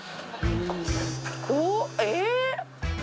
おっえっ？